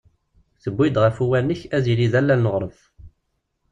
tuwi-d ɣef uwanek ad yili d allal n uɣref.